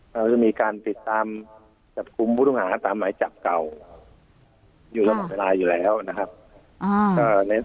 จะมีการติดตามจับคุมผู้ต้องหาตามหมายจับเก่าอยู่ทั้งหมดในลายอยู่แล้วนะครับ